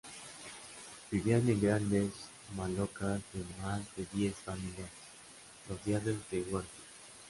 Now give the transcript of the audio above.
Vivían en grandes malocas de más de diez familias, rodeadas de huertos.